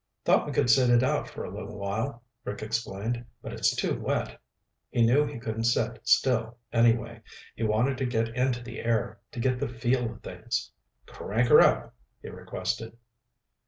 "Thought we could sit it out for a little while," Rick explained. "But it's too wet." He knew he couldn't sit still, anyway. He wanted to get into the air, to get the feel of things. "Crank 'er up," he requested.